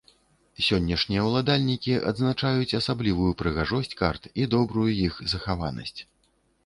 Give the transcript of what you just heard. Сённяшнія ўладальнікі адзначаюць асаблівую прыгажосць карт і добрую іх захаванасць.